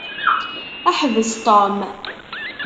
Ḥbes Tom.